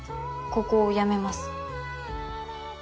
ここを辞めます。